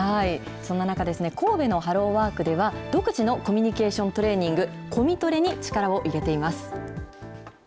そんな中、神戸のハローワークでは、独自のコミュニケーショントレーニング、コミトレに力を入れています。